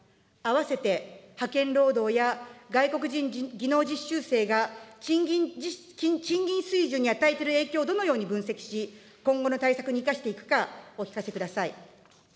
併せて派遣労働や外国人技能実習生が、賃金水準に与えている影響をどのように分析し、今後の対策に生かしていくか、お聞かせください。